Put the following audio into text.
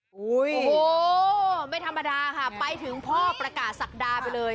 โอ้โหไม่ธรรมดาค่ะไปถึงพ่อประกาศศักดาไปเลย